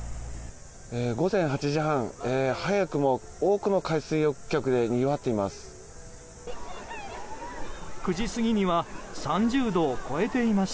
午前８時半早くも多くの海水浴客でにぎわっています。